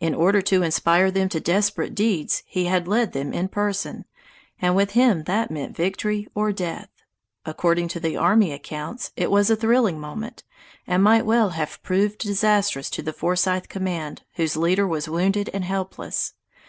In order to inspire them to desperate deeds he had led them in person, and with him that meant victory or death. According to the army accounts, it was a thrilling moment, and might well have proved disastrous to the Forsythe command, whose leader was wounded and helpless.